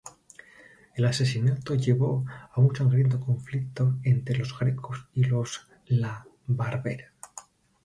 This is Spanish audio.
El asesinato llevó a un sangriento conflicto entre los Greco y los La Barbera.